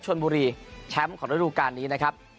ชนบุรีแชมป์ของฤดูการนี้นะครับ